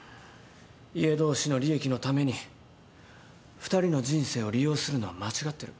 家同士の利益のために２人の人生を利用するのは間違ってる。